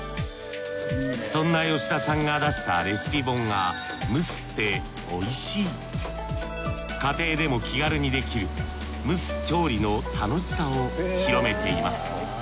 そんな吉田さんが出したレシピ本が家庭でも気軽にできる蒸す調理の楽しさを広めています。